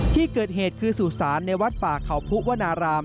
ที่เกิดเหตุคือสุสานในวัดฝ่าข่าวพุกว่านาราม